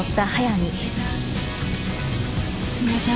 すいません。